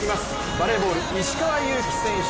バレーボール・石川祐希選手